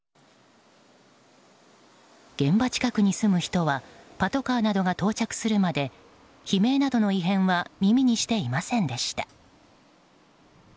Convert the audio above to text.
現場近くに住む人はパトカーなどが到着するまで悲鳴などの異変は耳にしていませんでした。